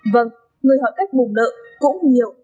vâng người hỏi cách bùng nợ cũng nhiều